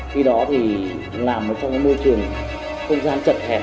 khi đó thì làm một trong môi trường không gian chật hẹp